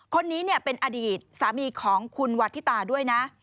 คนนี้เป็นอดีตสามีของคุณวัฒิตาด้วยนะ